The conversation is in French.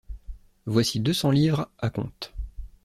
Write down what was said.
Voici deux cents livres à-compte...